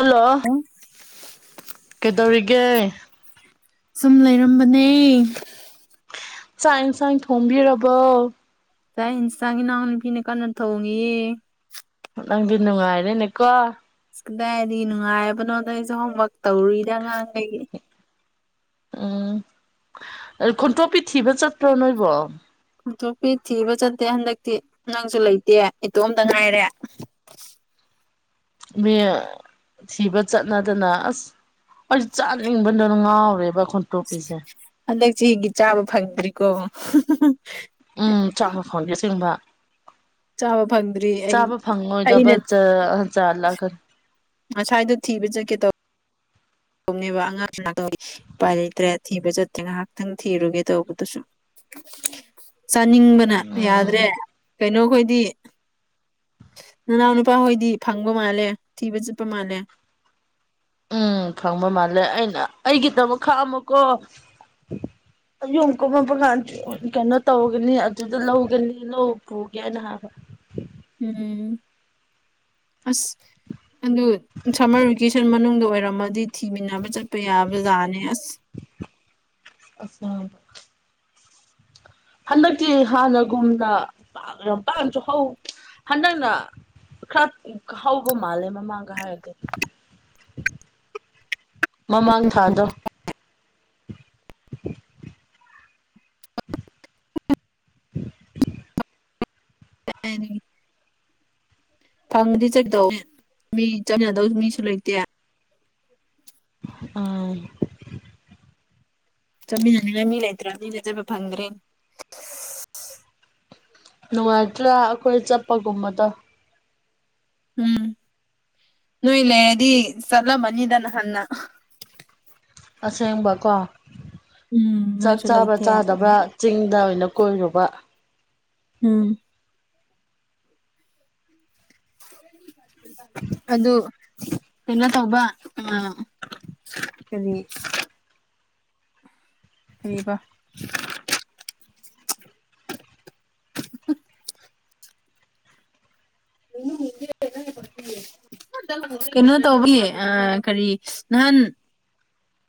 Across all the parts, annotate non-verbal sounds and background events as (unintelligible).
hello ꯀꯩꯗꯧꯔꯤꯒꯦ ꯁꯨꯝ ꯂꯩꯔꯝꯕꯅꯦ ꯆꯥꯛ ꯏꯟꯁꯥꯡ ꯊꯣꯡꯕꯤꯔꯕꯣ ꯆꯥꯛ ꯏꯟꯁꯥꯡꯒꯤ ꯏꯅꯥꯎ ꯅꯨꯄꯤꯅ ꯀꯟꯅ ꯊꯣꯡꯏ ꯅꯪꯗꯤ ꯅꯨꯡꯉꯥꯏꯔꯦꯅꯦꯀꯣ ꯑꯁ ꯀꯗꯥꯏꯗꯩꯅꯣ ꯅꯨꯡꯉꯥꯏꯕꯅꯣꯗ ꯑꯩꯁꯦ ꯍꯣꯝꯋꯔꯛ ꯇꯧꯔꯨꯏꯗ ꯑꯉꯥꯡꯈꯩꯒꯤ ꯎꯝ ꯈꯣꯟꯇꯣꯛꯄꯤ ꯊꯤꯕ ꯆꯠꯇ꯭ꯔꯣ ꯅꯣꯏꯕꯣ ꯈꯨꯇꯣꯞꯄꯤ ꯊꯤꯕ ꯆꯠꯇꯦ ꯍꯟꯗꯛꯇꯤ ꯅꯪꯁꯨ ꯂꯩꯇꯦ ꯏꯇꯣꯝꯇ ꯉꯥꯏꯔꯦ ꯃꯤ ꯁꯤꯕ ꯆꯠꯅꯗꯅ ꯑꯁ ꯑꯩꯁꯨ ꯆꯥꯅꯤꯡꯕꯅ ꯉꯥꯎꯔꯦꯕ ꯈꯣꯟ ꯍꯟꯗꯛꯁꯤꯒꯤ ꯆꯥꯕ ꯐꯪꯗ꯭ꯔꯤꯀꯣ ꯎꯝ (unintelligible) ꯐꯪꯒꯦ ꯑꯁꯦꯡꯕ ꯆꯥꯕ ꯐꯪꯗ꯭ꯔꯤ ꯑꯩ ꯆꯥꯕ ꯐꯪꯉꯣꯏꯗꯕ ꯑꯩꯅ ꯆꯥ ꯖꯥꯠꯂꯥ ꯈ ꯑꯁꯥꯏꯗ ꯊꯤꯕ ꯆꯠꯀꯦ ꯇꯧ ꯍꯨꯝꯅꯦꯕ ꯑꯉꯥꯡ (unintelligible) ꯎꯄꯥꯏ ꯂꯩꯇ꯭ꯔꯦ ꯊꯤꯕ ꯆꯠꯇ꯭ꯔꯦ ꯉꯍꯥꯛꯇꯪ ꯊꯤꯔꯨꯒꯦ ꯇꯧꯕꯗꯨꯁꯨꯝ ꯆꯥꯅꯤꯡꯕꯅ ꯎꯝ ꯌꯥꯗ꯭ꯔꯦ ꯀꯩꯅꯣꯈꯣꯏꯗꯤ ꯅꯅꯥꯎ ꯅꯨꯄꯥ ꯍꯣꯏꯗꯤ ꯐꯪꯕ ꯃꯥꯜꯂꯦ ꯊꯤꯕ ꯆꯠꯄ ꯃꯥꯜꯂꯦ ꯎꯝ ꯐꯪꯕ ꯃꯥꯜꯂꯦ ꯑꯩꯅ ꯑꯩꯒꯤꯗꯃꯛ ꯈꯛꯑꯝꯃꯨꯀꯣ (inaudible) ꯌꯣꯡ ꯀꯨꯝꯃꯄ ꯀꯥꯟ ꯀꯩꯅꯣ ꯇꯧꯒꯅꯤ ꯑꯗꯨꯗ ꯂꯧꯒꯅꯤ ꯂꯧ ꯄꯨꯒꯦꯅ ꯍꯥꯏꯕ ꯎꯝ ꯑꯁ ꯑꯗꯨ ꯁꯝꯃꯔ ꯚꯦꯀꯦꯁꯟ ꯃꯅꯨꯡꯗ ꯑꯣꯏꯔꯝꯃꯗꯤ ꯊꯤꯃꯤꯟꯅꯕ ꯆꯠꯄ ꯄꯥ ꯌꯥꯕꯖꯥꯅꯦ ꯑꯁ (unintelligible) ꯍꯟꯗꯛꯇꯤ ꯍꯥꯟꯅꯒꯨꯝꯅ ꯄꯥꯛ ꯌꯥꯝ ꯄꯥꯛꯅꯁꯨ ꯍꯧ ꯍꯟꯗꯛꯅ ꯈꯔ ꯍꯧꯕ ꯃꯥꯜꯂꯦ ꯃꯃꯥꯡꯒ ꯍꯥꯏꯔꯨꯔꯗꯤ ꯃꯃꯥꯡ ꯊꯥꯗꯣ (unintelligible) (unintelligible) ꯐꯪꯉꯗꯤ ꯆꯠꯀꯗꯧꯅꯦ ꯃꯤ ꯆꯠꯃꯤꯟꯅꯗꯧ ꯃꯤꯁꯨ ꯂꯩꯇꯦ ꯑꯥ ꯆꯠꯃꯤꯟꯅꯅꯤꯡꯉꯥꯏ ꯃꯤ ꯂꯩꯇ꯭ꯔꯥꯕꯅꯤꯅ ꯆꯠꯄ ꯐꯪꯗ꯭ꯔꯦ ꯅꯨꯡꯉꯥꯏꯇ꯭ꯔꯥ ꯑꯩꯈꯣꯏ ꯆꯠꯄꯒꯨꯝꯕꯗꯣ ꯎꯝ ꯅꯣꯏ ꯂꯩꯔꯗꯤ ꯆꯠꯂꯝꯃꯅꯤꯗ ꯅꯍꯥꯟꯅ ꯑꯁꯦꯡꯕꯀꯣ ꯎꯝ ꯆꯥꯛ ꯅꯣꯏꯁꯨ ꯆꯥꯕ꯭ꯔꯥ ꯂꯩꯇꯦ ꯆꯥꯗꯕ꯭ꯔꯥ ꯆꯤꯡꯗ ꯑꯣꯏꯅ ꯀꯣꯏꯔꯨꯕ ꯎꯝ (inaudible) ꯑꯗꯨ ꯀꯩꯅꯣ ꯇꯧꯕ ꯑ ꯀꯔꯤ (unintelligible) (unintelligible) ꯀꯩꯅꯣ ꯇꯧꯕꯤ ꯑ ꯀꯔꯤ ꯅꯍꯥꯟ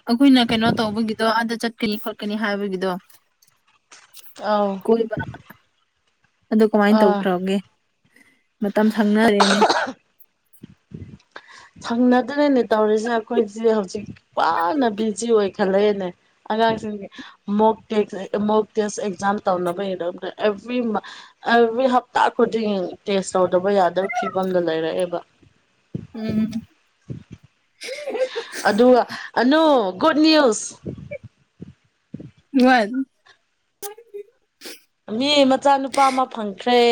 ꯑꯩꯈꯣꯏꯅ ꯀꯩꯅꯣ ꯇꯧꯕꯒꯤꯗꯣ ꯑꯥꯗ ꯆꯠꯀꯅꯤ ꯈꯣꯠꯀꯅꯤ ꯍꯥꯏꯕꯒꯤꯗꯣ ꯑꯥꯎ (unintelligible) ꯑꯗꯨ ꯀꯃꯥꯏꯅ ꯑꯥ ꯇꯧꯈ꯭ꯔꯒꯦ ꯃꯇꯝ ꯁꯪꯅꯗꯔꯦꯅꯦ ꯁꯪꯅꯗꯔꯦꯅꯦ ꯇꯧꯔꯤꯁꯦ ꯑꯩꯈꯣꯏꯁꯦ ꯍꯧꯖꯤꯛ ꯋꯥꯅ ꯕꯤꯖꯤ ꯑꯣꯏꯈꯠꯂꯛꯑꯦꯅꯦ ꯑꯉꯥꯡꯁꯤꯡꯒꯤ ꯃꯣꯕ ꯇꯦ ꯃꯣꯕ ꯇꯦꯁ ꯑꯦꯛꯖꯥꯝ ꯇꯧꯅꯕꯩ ꯑꯦꯕ꯭ꯔꯤ ꯑꯦꯕꯔ꯭ꯤ ꯍꯞꯇꯥ ꯈꯨꯗꯤꯡ ꯇꯦꯁ ꯇꯧꯗꯕ ꯌꯥꯗꯕ ꯐꯤꯕꯝꯗ ꯂꯩꯔꯛꯑꯦꯕ ꯎꯝ ꯑꯗꯨꯒ ꯑꯅꯨ ꯒꯨꯗ ꯅ꯭ꯌꯨꯁ ꯅꯨꯉꯥꯏ ꯑꯗꯨꯝ ꯃꯤ ꯃꯆꯥꯅꯨꯄꯥ ꯑꯃ ꯐꯪꯈ꯭ꯔꯦ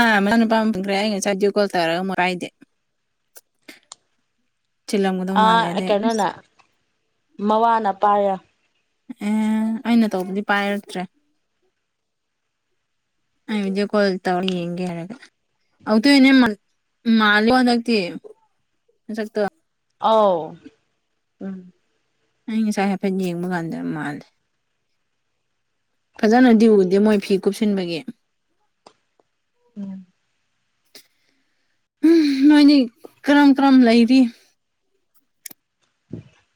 ꯑ ꯃꯆꯥꯅꯨꯄ ꯑꯃꯥ ꯐꯪꯈꯔꯦ ꯑꯩ ꯉꯁꯥꯏ ꯕꯤꯗꯤꯑꯣ ꯀꯣꯜ ꯇꯧꯔꯒ ꯄꯥꯥꯏꯗꯦ ꯊꯤꯜꯂꯝꯒꯗꯧ ꯃꯥꯜꯂꯦ ꯑꯥ ꯑꯗꯩ ꯑꯁ ꯀꯩꯅꯣꯅ ꯃꯋꯥꯅ ꯄꯥꯏꯔꯦ ꯎꯝ ꯑꯩꯅ ꯇꯧꯕꯗꯤ ꯄꯥꯏꯔꯛꯇ꯭ꯔꯦ ꯑꯩ ꯕꯤꯗꯤꯑꯣ ꯀꯣꯜ ꯇꯧꯔ ꯌꯦꯡꯒꯦ ꯍꯥꯏꯔꯒ (unintelligible) ꯃꯂꯤꯀꯣ ꯍꯟꯗꯛꯇꯤ ꯃꯁꯛꯇꯣ ꯑꯥꯎ ꯎꯝ ꯑꯩ ꯉꯁꯥꯏ ꯍꯥꯏꯐꯦꯠ ꯌꯦꯡꯕ ꯀꯥꯟꯗ ꯃꯥꯜꯂꯦ ꯐꯖꯅꯗꯤ ꯎꯗꯦ ꯃꯣꯏ ꯐꯤ ꯀꯨꯞꯁꯤꯟꯕꯒꯤ ꯎꯝ ꯎꯝ ꯅꯣꯏꯗꯤ ꯀꯔꯝ ꯀꯔꯝ ꯂꯩꯔꯤ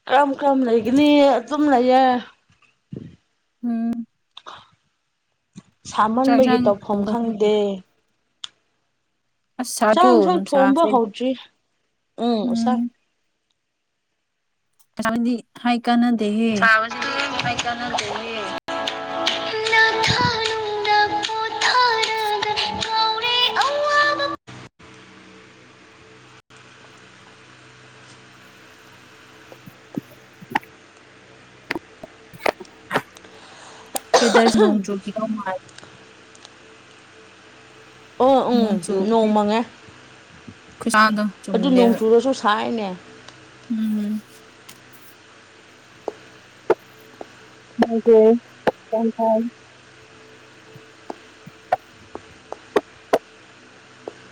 ꯀꯔꯝ ꯀꯔꯝ ꯂꯩꯒꯅꯤ ꯑꯗꯨꯝ ꯂꯩꯌꯦ ꯎꯝ ꯆꯥꯛ ꯁꯥꯃꯟꯕꯒꯤ ꯏꯟꯁꯥꯡ ꯇꯧꯐꯝ ꯊꯣꯡꯕꯒꯤ ꯈꯪꯗꯦ ꯑꯁ ꯁꯥꯏꯀꯣ ꯆꯥꯡꯏꯟꯁꯥꯡ ꯊꯣꯡꯕ ꯅꯨꯡꯁꯥꯁꯦ ꯍꯧꯗ꯭ꯔꯤ ꯎꯝ ꯁꯥ (unintelligible) ꯗꯤ ꯍꯥꯢ ꯀꯥꯟꯅꯗꯦꯍꯦ ꯃꯥꯢꯆꯥꯅꯗꯦꯍꯦ ꯋꯦꯗ꯭ꯔꯖꯤ ꯅꯣꯡ ꯆꯨꯈꯤꯗꯧ ꯃꯥꯜ ꯑꯣ ꯅꯣꯡ ꯎꯝ ꯆꯨꯒꯅꯤ ꯃꯪꯉꯦ ꯈꯁꯥꯗꯣ ꯑꯗꯨ ꯅꯣꯡ ꯆꯨꯝꯗꯦꯕ ꯆꯨꯔꯁꯨ ꯁꯥꯏꯅꯦ ꯎꯝ ꯃꯣꯢꯒꯦ ꯇꯦꯟꯊꯥ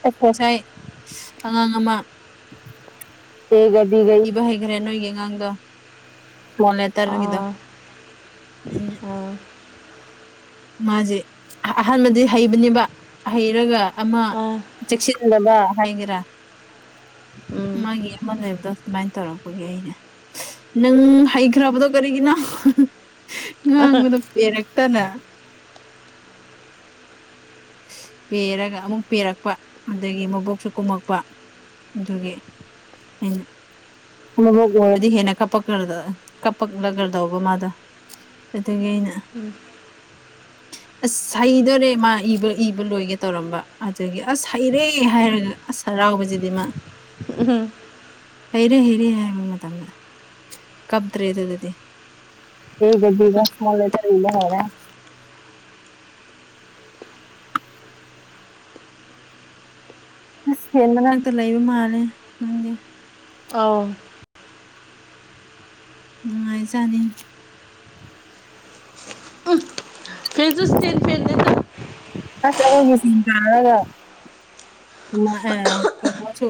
ꯑꯦꯐ ꯑꯦꯁꯥꯢ ꯑꯉꯥꯡ ꯑꯃ ꯗꯦꯒ ꯗꯤꯒ ꯏꯕ ꯍꯩꯈ꯭ꯔꯦ ꯅꯣꯢꯒꯤ ꯑꯉꯥꯡꯗꯣ ꯄ꯭ꯔꯣꯅꯦ ꯇ꯭ꯔꯒꯤꯗꯣ ꯑꯥ (unintelligible) ꯃꯥꯖꯦ ꯑꯍ ꯑꯍꯥꯟꯃꯗꯤ ꯍꯩꯕꯅꯦꯕ ꯍꯩꯔꯒ ꯑꯃ ꯑꯥ ꯆꯦꯛꯁꯤꯟꯗꯕ ꯍꯥꯢꯒꯦꯔꯥ ꯎꯝ ꯃꯥꯒꯤ ꯑꯃ ꯂꯩꯕꯗꯣ ꯑꯗꯨꯃꯥꯢꯅ ꯇꯧꯔꯛꯄꯒꯤ ꯑꯩꯅꯦ ꯅꯪ ꯍꯩꯈ꯭ꯔꯕꯗꯣ ꯀꯔꯤꯒꯤꯅꯣ ꯉꯥꯡꯕꯗ ꯄꯦꯔꯛꯇꯅ ꯄꯦꯔꯒ ꯑꯃꯨꯛ ꯄꯦꯔꯛꯄ ꯑꯗꯒꯤ ꯃꯕꯣꯛꯁꯨ ꯀꯨꯝꯃꯛꯄ ꯑꯗꯨꯒꯤ ꯑꯩꯅ ꯃꯕꯣꯛ ꯑꯣꯢꯔꯗꯤ ꯍꯦꯟꯅ ꯀꯞꯄꯛꯔꯗ ꯀꯞꯄꯛꯂꯒꯗꯧꯕ ꯃꯥꯗꯣ ꯑꯗꯒꯤ ꯑꯩꯅ ꯎꯝ (inaudible) ꯑꯁ ꯍꯩꯗꯣꯔꯦ ꯃꯥ ꯏꯕ ꯏꯕ ꯂꯣꯢꯒꯦ ꯇꯧꯔꯝꯕ ꯑꯗꯒꯤ ꯑꯁ ꯍꯩꯔꯦ ꯍꯥꯢꯔꯒ ꯑꯁ ꯍꯥꯔꯥꯎꯕꯖꯤꯗꯤ ꯃꯥ ꯎ ꯎꯝ ꯍꯩꯔꯦ ꯍꯩꯔꯦ ꯍꯥꯢꯕ ꯃꯇꯝꯗ ꯀꯞꯇ꯭ꯔꯦ ꯑꯗꯨꯗꯗꯤ ꯑꯦꯒ ꯗꯤꯒ ꯏꯁꯃꯣꯜ ꯂꯦꯇ꯭ꯔꯗ ꯏꯕ ꯍꯧꯔꯦ ꯑꯁ ꯐꯦꯟꯅ ꯃꯅꯥꯛꯇ ꯂꯩꯕ ꯃꯥꯜꯂꯦ ꯅꯪꯗꯤ ꯑꯧ ꯅꯨꯡꯉꯥꯢꯖꯥꯠꯅꯤ ꯐꯦꯟꯖꯨ ꯏꯁꯇꯦꯟ ꯐꯦꯟꯅꯦꯗ ꯑꯁ ꯑꯗꯨꯒꯤ ꯁꯤꯡ ꯇꯥꯔꯒ ꯎ ꯑꯍꯦ ꯀꯩ ꯋꯁꯨ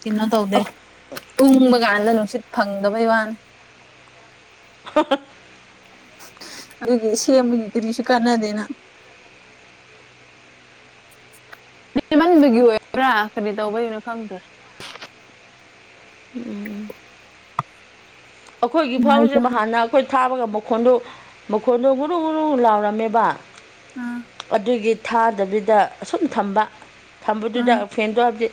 ꯀꯩꯅꯣ ꯇꯧꯗꯦ ꯇꯨꯡꯕ ꯀꯥꯟꯗ ꯅꯨꯡꯁꯤꯠ ꯐꯪꯗꯕꯩ ꯋꯥꯅꯤ (unintelligible) ꯑꯗꯨꯒꯤ ꯁꯦꯝꯕꯒꯤ ꯀꯔꯤꯁꯨ ꯀꯥꯟꯅꯗꯦꯅ ꯅꯦꯝꯃꯟꯕꯒꯤ ꯑꯣꯢꯕ꯭ꯔꯥ ꯀꯔꯤ ꯇꯧꯕꯩꯅꯣ ꯈꯪꯗ꯭ꯔꯦ ꯎꯝ ꯑꯩꯈꯣꯢꯒꯤ ꯐꯥꯎꯖꯦ ꯅꯨꯡꯉꯥꯏꯇꯕꯅꯦ ꯃꯍꯥꯟꯅ ꯑꯈꯣꯢ ꯊꯥꯕꯒ ꯃꯈꯣꯟꯗꯨ ꯃꯈꯣꯟꯗꯨ ꯉꯨꯔꯨꯡ ꯉꯨꯔꯨꯡ ꯂꯥꯎꯔꯝꯃꯦꯕ ꯑ ꯑꯗꯨꯒꯤ ꯊꯥꯗꯕꯤꯗ ꯑꯁꯨꯝ ꯊꯝꯕ ꯊꯝꯕꯗꯨꯗ ꯑꯥ ꯐꯦꯟꯗꯣ ꯍꯥꯢꯕꯗꯤ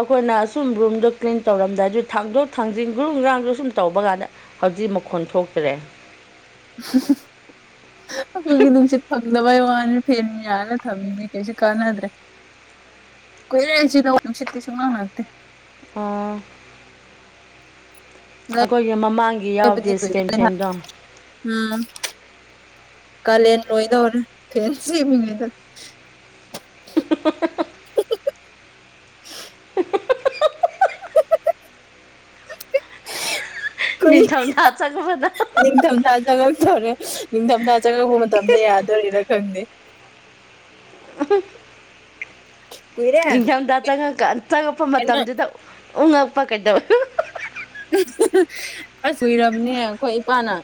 ꯑꯩꯈꯣꯢꯅ ꯑꯁꯨꯝ ꯔꯨꯝꯗ ꯀ꯭ꯂꯤꯟ ꯇꯧꯔꯝꯗꯥꯢꯗ ꯊꯥꯡꯗꯣꯛ ꯊꯥꯡꯖꯤꯟ ꯒ꯭ꯔꯨ ꯒ꯭ꯔꯥꯡꯗꯨ ꯁꯨꯝ ꯇꯧꯕ ꯀꯥꯟꯗ ꯍꯧꯖꯤꯛ ꯃꯈꯣꯟ ꯊꯣꯛꯇ꯭ꯔꯦ ꯑꯩꯈꯣꯏꯒꯤ ꯅꯨꯡꯁꯤꯠ ꯐꯛꯗꯕꯏ ꯋꯥꯅꯤ ꯐꯤ ꯌꯥꯂꯦ ꯊꯝꯃꯤꯅꯦ ꯀꯩꯁꯨ ꯀꯥꯟꯅꯗ꯭ꯔꯦ (unintelligible) ꯑꯣ ꯑꯩꯈꯣꯏꯒꯤ ꯃꯃꯥꯡꯒꯤ ꯌꯥꯎꯗꯦ ꯂꯩꯕꯗꯤ ꯀꯨꯏꯔꯦ ꯏꯁꯇꯦꯟ ꯐꯦꯟꯗꯣ ꯎꯝ ꯀꯂꯦꯟ ꯂꯣꯏ ꯗꯥꯔꯦ ꯐꯦꯟ ꯁꯦꯝꯃꯤꯉꯩꯗ (unintelligible) ꯀꯨꯏ ꯅꯤꯡꯊꯝꯊꯥ ꯆꯪꯉꯛꯄꯗ ꯅꯤꯡꯊꯝꯊꯥ ꯆꯪꯉꯛꯇꯕꯔꯦ ꯅꯤꯡꯊꯝꯊꯥ ꯆꯪꯉꯛꯄ ꯃꯇꯝꯗ ꯌꯥꯗꯣꯔꯤꯅ ꯈꯪꯗꯦ (unintelligible) ꯀꯨꯏꯔꯦ ꯅꯤꯡꯊꯝꯊꯥ ꯆꯪꯉꯛꯄ ꯀꯩꯅꯣ ꯃꯇꯝꯗꯨꯗ ꯎꯉꯛꯄ ꯀꯩꯗꯧꯋꯦ ꯑꯁ ꯀꯨꯏꯔꯕꯅꯦ ꯑꯩꯈꯣꯏ ꯏꯄꯥꯅ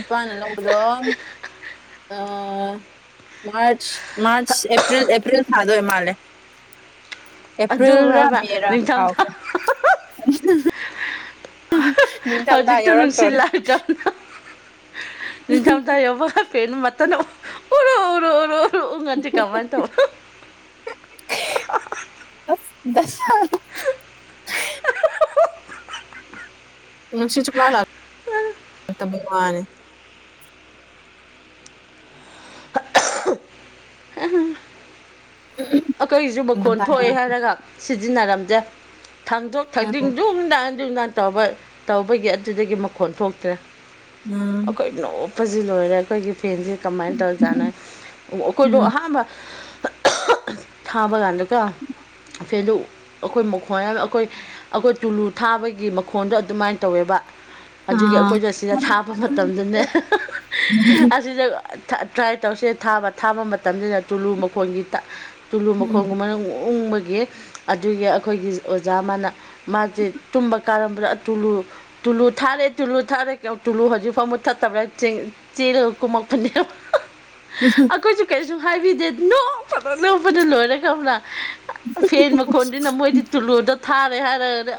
ꯏꯄꯥꯅ ꯂꯧꯕꯗꯣ ꯃꯥꯔꯆ ꯃꯥꯔꯆ ꯑꯦꯄ꯭ꯔꯤꯜ ꯑꯦꯄ꯭ꯔꯤꯜ ꯊꯥꯗ ꯑꯣꯏꯔꯥ ꯃꯥꯜꯂꯦ ꯑꯗꯨ ꯑꯦꯄ꯭꯭ꯔꯤꯜ ꯔꯥ ꯍꯥꯏꯕ ꯃꯦ ꯔꯥ ꯅꯤꯡꯊꯝꯊꯥ ꯀꯥꯎꯈ꯭ꯔꯦ (unintelligible) ꯍꯧꯖꯤꯛꯇ ꯌꯧꯔꯛꯇꯣꯔꯦ ꯅꯨꯡꯁꯤꯠꯂꯥꯛꯇꯣ ꯅꯤꯡꯊꯝ ꯊꯥ ꯌꯧꯕ ꯒꯥ ꯄꯦꯟ ꯗꯣ ꯃꯊꯟꯇꯥ ꯑꯨꯔꯨ ꯑꯨꯔꯨ ꯑꯨꯡꯉꯗꯤ ꯀꯃꯥꯏ ꯇꯧꯕ ꯑꯁ ꯗꯥꯁꯥꯅꯤ ꯅꯨꯟꯁꯤꯠ ꯁꯨꯛ ꯂꯛ ꯂꯛꯇꯕꯒꯤ ꯋꯥꯅꯤ ꯑꯈꯣꯏꯁꯨ ꯃꯈꯣꯟ ꯅꯤꯡꯊꯝꯊꯥ ꯊꯣꯛꯑꯦ ꯌꯧꯔꯛꯄꯗ ꯍꯥꯏꯔꯒ ꯁꯤꯖꯤꯟꯅꯔꯝꯗꯦ ꯊꯥꯡꯗꯣꯛ ꯊꯥꯡꯖꯤꯟ ꯗꯨꯝ ꯗꯥꯝ ꯗꯨꯝ ꯗꯥꯝ ꯇꯧꯕ ꯇꯧꯕꯒꯤ ꯑꯗꯨꯗꯒꯤ ꯃꯈꯣꯟ ꯊꯣꯛꯇ꯭ꯔꯦ ꯑꯥ ꯑꯩꯈꯣꯏ ꯅꯣꯞꯄꯁꯤ ꯂꯣꯏꯔꯦ ꯑꯩꯈꯣꯏꯒꯤ ꯐꯦꯟꯁꯤ ꯀꯃꯥꯏꯅ ꯇꯧꯔꯤꯖꯥꯠꯅꯣ ꯑꯩꯈꯣꯏꯗꯣ ꯎꯝ ꯑꯍꯥꯟꯕ ꯊꯥꯕꯒꯗꯒ ꯐꯦꯟ ꯗꯨ ꯑꯩꯈꯣꯏ ꯃꯈꯣꯟ ꯑꯩꯈꯣꯏ ꯑꯩꯈꯣꯏ ꯇꯨꯂꯨ ꯊꯥꯕꯒꯤ ꯃꯈꯣꯟꯗꯣ ꯑꯗꯨꯃꯥꯏꯅ ꯇꯧꯋꯦꯕ ꯑꯗꯨꯒꯤ ꯑꯥ ꯑꯩꯈꯣꯏꯗ ꯁꯤꯗ ꯎꯝ ꯊꯥꯕ ꯃꯇꯝꯗꯨꯅꯦ ꯑꯁꯤꯗ ꯇ꯭ꯔꯥꯏ ꯇꯧꯁꯦ ꯊꯥꯕ ꯊꯥꯕ ꯃꯇꯝꯁꯤꯗ ꯇꯨꯂꯨ ꯃꯈꯣꯟꯒꯤ ꯇꯨꯂꯨ ꯃꯈꯣꯡꯒꯨꯝꯕꯅ ꯎꯡꯕꯒꯤ ꯑꯗꯨꯒꯤ ꯑꯩꯈꯣꯏꯒꯤ ꯑꯣꯖꯥ ꯃꯥꯅ ꯃꯥꯖꯦ ꯇꯨꯝꯕ ꯀꯥꯔꯝꯕ꯭ꯔꯥ ꯇꯨꯂꯨ ꯇꯨꯂꯨ ꯊꯥꯔꯦ ꯇꯨꯂꯨ ꯊꯥꯔꯦ ꯇꯨꯂꯨ ꯍꯧꯖꯤꯛꯐꯥꯎꯕ ꯃꯨꯠꯊꯇꯕ꯭ꯔꯥ ꯆꯦꯜꯂꯥ ꯀꯨꯝꯃꯛꯄꯅꯦ ꯎꯝ ꯈꯣꯏꯁꯨ ꯀꯩꯁꯨ ꯍꯥꯏꯕꯤꯗꯦ ꯅꯣꯛꯄꯗ ꯅꯣꯛꯄꯗ ꯂꯣꯏꯔꯦ ꯈꯪꯕ꯭ꯔꯥ ꯐꯦ ꯃꯈꯣꯟꯗꯨꯅ ꯃꯣꯏꯗꯤ ꯇꯣꯂꯨꯗꯣ ꯊꯥꯔꯦ ꯍꯥꯏꯔꯒ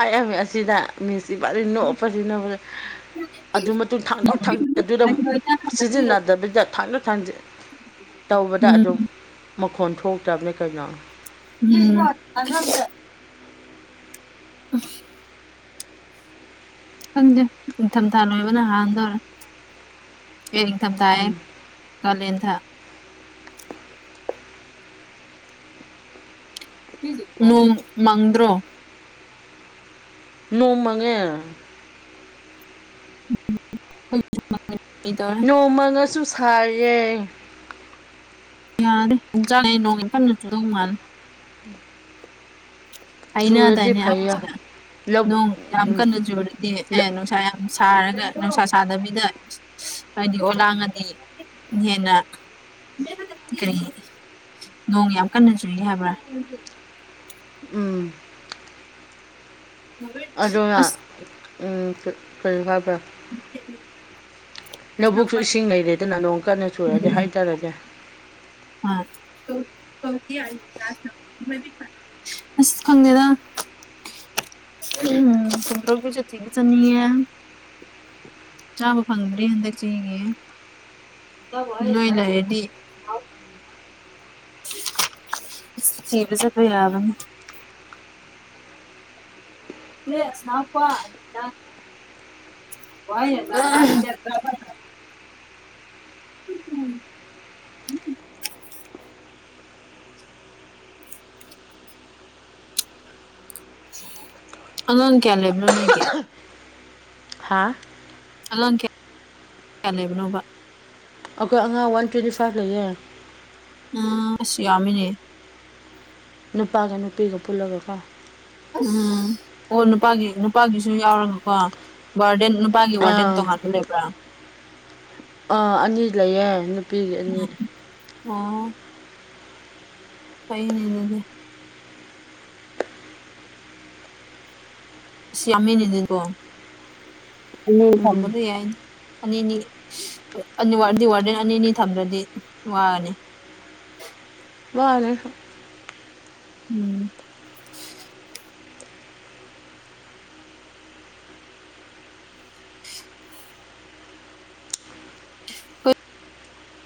ꯑꯥ ꯑꯁꯤꯗ ꯃꯤꯡ ꯏꯕꯥꯅꯤ ꯅꯣꯛꯄꯁꯤ ꯅꯣꯛꯄꯁꯤ ꯑꯗꯨ ꯃꯇꯨꯡ ꯊꯥꯡꯗꯣꯛ ꯊꯥꯡꯖ ꯑꯗꯨꯗ ꯁꯤꯖꯤꯟꯅꯗꯕꯤꯗ ꯊꯥꯡꯗꯣꯛ ꯊꯥꯡꯖꯤꯟ ꯇꯧꯕꯗ ꯎꯝ ꯑꯗꯨꯝ ꯃꯈꯣꯟ ꯊꯣꯛꯇ꯭ꯔꯕꯅꯦ ꯀꯩꯅꯣ ꯎꯝ (unintelligible) ꯈꯪꯗꯦ ꯅꯤꯡꯊꯝꯊꯥ ꯂꯣꯏꯕꯅ ꯍꯥꯟꯗꯧꯔꯦ ꯑꯦ ꯅꯤꯡꯊꯝꯊꯥꯍ ꯎꯝ ꯀꯥꯂꯦꯟ ꯊꯥ ꯅꯣꯡ ꯃꯪꯗ꯭ꯔꯣ ꯅꯣꯡ ꯃꯪꯑꯦ (unintelligible) ꯑꯩꯈꯣꯏ ꯇꯧꯔꯦ ꯅꯣꯡ ꯃꯪꯑꯥꯁꯨ ꯁꯥꯏꯌꯦ ꯌꯥꯔꯦ ꯑꯗꯨꯝ ꯆꯥꯂꯦ ꯅꯣꯡ ꯌꯥꯝ ꯀꯟꯅ ꯆꯨꯗꯧ ꯃꯥꯜꯂꯦ (unintelligible) ꯆꯨꯔꯗꯤ ꯍꯥꯏꯅꯗꯥꯏꯅꯦ ꯐꯩꯌꯦ ꯑꯍꯥꯟꯁꯤꯡꯅ ꯂꯧ ꯅꯣꯡ ꯌꯥꯝ ꯎꯝ ꯀꯟꯅ ꯆꯨꯔꯗꯤ ꯑꯦ ꯅꯨꯡꯁꯥ ꯌꯥꯝ ꯁꯥꯔꯒ ꯅꯨꯡꯁꯥ ꯁꯥꯗꯕꯤꯗ ꯍꯥꯏꯗꯤ ꯑꯣꯂꯥꯡꯉꯗꯤ ꯍꯦꯟꯅ (unintelligible) ꯀꯔꯤ ꯅꯣꯡ ꯌꯥꯝ ꯀꯟꯅ ꯆꯨꯏ ꯍꯥꯏꯕ꯭ꯔꯥ ꯎꯝ ꯑꯗꯨꯅ ꯑꯁ ꯎꯝ ꯀꯔꯤ ꯍꯥꯏꯕ꯭ꯔꯥ (unintelligible) ꯂꯧꯕꯨꯛꯁꯨ ꯏꯁꯤꯡ ꯂꯩꯔꯦꯗꯅ ꯅꯣꯡ ꯀꯟꯅ ꯎꯝ ꯆꯨꯔꯗꯤ ꯍꯩꯊꯥꯔꯗꯤ ꯑꯥ ꯀꯧ ꯀꯧꯗꯦ ꯑꯚꯤꯅꯥꯁꯅ (unintelligible) ꯑꯁ ꯈꯪꯗꯦꯗ ꯎꯝ ꯐꯨꯗꯔꯧꯕꯤ ꯆꯠꯇ꯭ꯔꯤꯕ ꯆꯠꯅꯤꯡꯉꯦ ꯆꯥꯕ ꯐꯪꯗ꯭ꯔꯤ ꯍꯟꯗꯛ ꯆꯍꯤꯒꯤ ꯅꯣꯏ ꯂꯩꯔꯥꯗꯤ ꯊꯤꯕ ꯆꯠꯄ ꯌꯥꯕꯅꯦ (unintelligible) (unintelligible) ꯑꯉꯥꯡ ꯀꯌꯥ ꯂꯩꯕꯅꯣ ꯅꯣꯏꯒꯤ ꯍꯥꯥ ꯑꯉꯥꯡ ꯀꯌꯥ ꯀꯌꯥ ꯂꯩꯕꯅꯣꯕ ꯑꯩꯈꯣꯏ ꯑꯉꯥꯡ ꯋꯥꯟ ꯇ꯭ꯋꯦꯟꯇꯤ ꯐꯥꯏꯚ ꯂꯩꯌꯦ ꯎꯝ ꯑꯁ ꯌꯥꯝꯃꯤꯅꯦ ꯅꯨꯄꯥꯒ ꯅꯨꯄꯤꯒ ꯄꯨꯜꯂꯒꯀꯣ ꯑꯁ ꯎꯝ ꯑꯣ ꯅꯨꯄꯥꯒꯤ ꯅꯨꯄꯥꯒꯤꯁꯨ ꯌꯥꯎꯔꯒꯀꯣ ꯋꯥꯔꯗꯦꯟ ꯅꯨꯄꯥꯒꯤ ꯋꯥꯔꯗꯦꯟ ꯑꯥ ꯇꯣꯉꯥꯟꯕ ꯂꯩꯕ꯭ꯔꯥ ꯑꯥ ꯑꯅꯤ ꯂꯩꯌꯦ ꯅꯨꯄꯤꯒꯤ ꯑꯅꯤ ꯑꯣ ꯐꯩꯅꯦ ꯑꯗꯨꯗꯤ ꯑꯁ ꯌꯥꯝꯃꯤꯅꯦ ꯑꯗꯨꯀꯣ ꯑꯅꯤ ꯎꯝ ꯊꯝꯕꯗꯤ ꯌꯥꯏꯗ ꯑꯅꯤꯅꯤ ꯑꯅꯤ ꯋꯥꯔꯗꯤ ꯋꯥꯔꯗꯦꯟ ꯑꯅꯤ ꯑꯅꯤ ꯊꯝꯗ꯭ꯔꯗꯤ ꯋꯥꯔꯅꯤ ꯋꯥꯅꯤ ꯎꯝ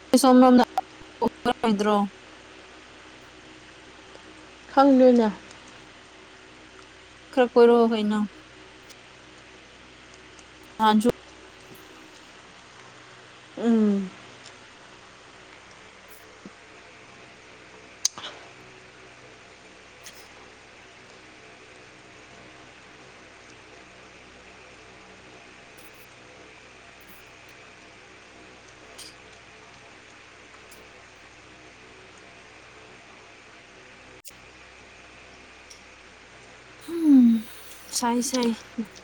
ꯅꯣꯏ ꯁꯣꯝꯂꯣꯝꯗꯥ ꯀꯣꯏ ꯀꯣꯏꯔꯛꯑꯣꯏꯗ꯭ꯔꯣ ꯈꯪꯗ꯭ꯔꯤꯅꯦ ꯈꯔ ꯀꯣꯏꯔꯛꯑꯣ ꯀꯩꯅꯣ ꯅꯍꯥꯟꯁꯨ ꯎꯝ ꯎꯝ ꯁꯥꯏ ꯁꯥꯏ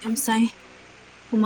ꯌꯥꯝ ꯁꯥꯏ ꯍꯨꯃꯥꯡ